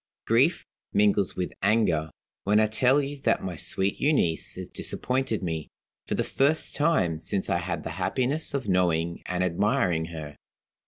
Grief mingles with anger, when I tell you that my sweet Euneece has disappointed me, for the first time since I had the happiness of knowing and admiring her.